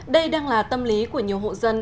đây đang là tâm lý của nhiều hộ dân